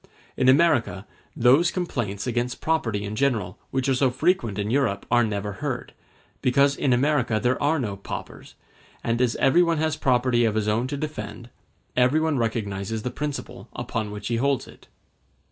In America those complaints against property in general which are so frequent in Europe are never heard, because in America there are no paupers; and as everyone has property of his own to defend, everyone recognizes the principle upon which he holds it.